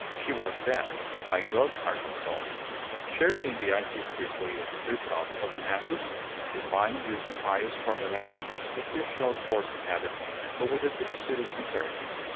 She was dead may God have her soul! Sharing in the anti priestly freethought of the masses, his mind used the pious formula from the superficial force of habit, but with a deep seated sincerity.